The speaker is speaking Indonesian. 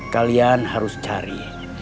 kalian harus cari